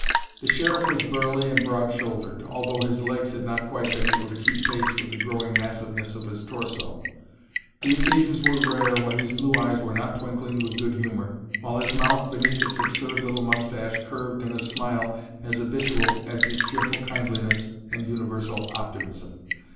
The Sheriff was burly and broad shouldered, although his legs had not quite been able to keep pace with the growing massiveness of his torso. The occasions were rare when his blue eyes were not twinkling with good humor, while his mouth beneath its absurd little moustache curved in a smile as habitual as his cheerful kindliness and universal optimism.